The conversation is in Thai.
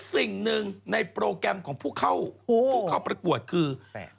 สิ่งหนึ่งในโปรแกรมของผู้เข้าผู้เข้าประกวดคือ